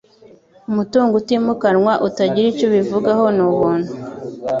Umutungo utimukanwa utagira icyo ubivugaho ni ubuntu